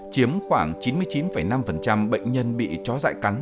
chiếm khoảng chín mươi chín năm bệnh nhân bị chó dại cắn